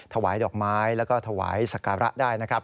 ถวายดอกไม้และถวายศักระได้นะครับ